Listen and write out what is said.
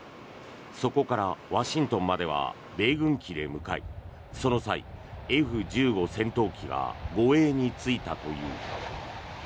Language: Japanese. そこからワシントンまでは米軍機で向かいその際、Ｆ１５戦闘機が護衛についたという。